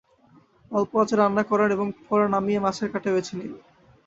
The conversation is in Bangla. অল্প আঁচে রান্না করুন এবং পরে নামিয়ে মাছের কাঁটা বেছে নিন।